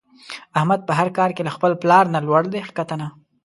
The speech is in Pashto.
احمد په هر کار کې له خپل پلار نه لوړ دی ښکته نه.